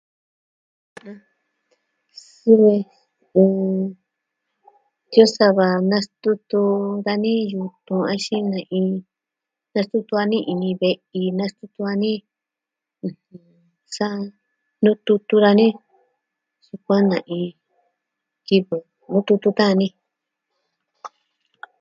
Suvi mmm iyo sava nastutu dani yutun axin ne'i, nastutu dani ini ve'in nastutu dani este... saa nututu dani sukuan na iin kivɨ nututu ka'an dani